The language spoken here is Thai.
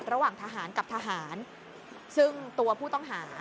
ระหว่างทหารกับทหารซึ่งตัวผู้ต้องหา